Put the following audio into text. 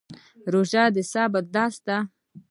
روژه د صبر درس دی